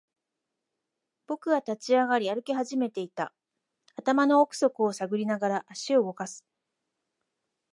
僕は立ち上がり、歩き始めていた。頭の奥底を探りながら、足を動かす。